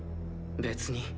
別に。